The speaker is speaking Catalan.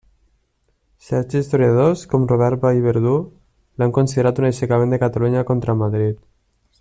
Certs historiadors, com Robert Vallverdú l'han considerat un aixecament de Catalunya contra Madrid.